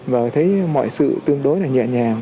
và thấy mọi sự tương đối là nhẹ nhàng